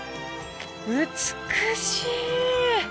美しい。